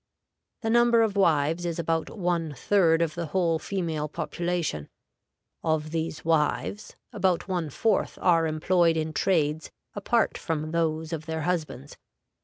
The number of wives is about one third of the whole female population; of these wives about one fourth are employed in trades apart from those of their husbands.